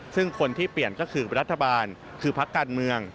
ซึ่งคนที่เปลี่ยนก็คือรัฐบาลคือพักการเมือง